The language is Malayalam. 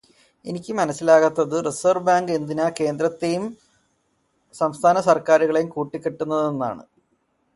എനിക്ക് മനസ്സിലാകാത്തത് റിസർവ്വ് ബാങ്ക് എന്തിനാ കേന്ദ്രത്തെയും സംസ്ഥാന സർക്കാരുകളെയും കൂട്ടിക്കെട്ടുന്നതെന്നാണ്?